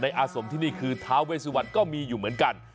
อาสมที่นี่คือท้าเวสุวรรณก็มีอยู่เหมือนกัน